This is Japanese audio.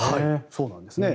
そうなんですね。